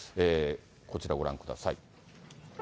こちらご覧ください。